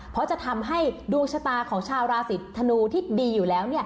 เพราะจะทำให้ดวงชะตาของชาวราศีธนูที่ดีอยู่แล้ว